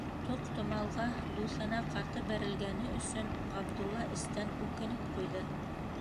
Тоҡ-томалға дуҫына ҡаты бәрелгәне өсөн, Ғабдулла эстән үкенеп ҡуйҙы.